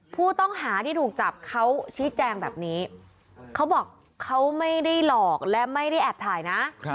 ผู้ต้องหาที่ถูกจับเขาชี้แจงแบบนี้เขาบอกเขาไม่ได้หลอกและไม่ได้แอบถ่ายนะ